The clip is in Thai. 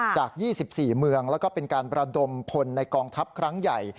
จาก๒๔เมืองแล้วก็เป็นการประดมพลในกองทัพครั้งใหญ่